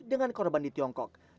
dengan korban di tiongkok